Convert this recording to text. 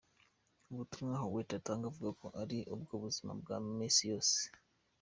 Ubutumwa Huguette atanga avuga ko ari ubwo mu buzima bwa misi yose.